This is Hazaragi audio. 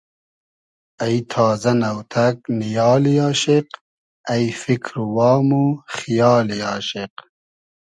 اݷ تازۂ ، نۆتئگ نیالی آشیق اݷ فیکر و وام و خیالی آشیق